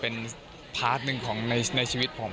เป็นพาร์ทหนึ่งของในชีวิตผม